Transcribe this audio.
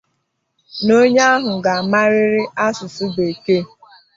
na onye ahụ ga-amarịrị asụsụ bekee